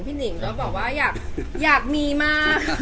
พี่นิ่งก็บอกว่าอยากมีมา